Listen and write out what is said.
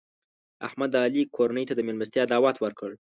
احمد د علي کورنۍ ته د مېلمستیا دعوت ورکړ.